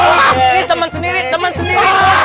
tapi teman sendiri teman sendiri